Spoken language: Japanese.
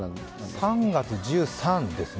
３月１３ですね。